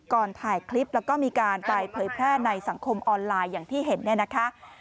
ถ่ายคลิปแล้วก็มีการไปเผยแพร่ในสังคมออนไลน์อย่างที่เห็นเนี่ยนะคะ